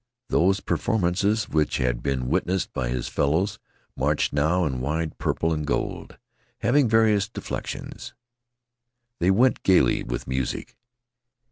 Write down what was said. Those performances which had been witnessed by his fellows marched now in wide purple and gold, having various deflections. They went gayly with music.